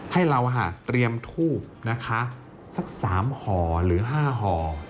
ให้เราเตรียมทูบนะคะสัก๓ห่อหรือ๕ห่อ